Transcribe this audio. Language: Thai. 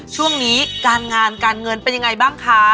ช่วงนี้การงานการเงินเป็นยังไงบ้างคะ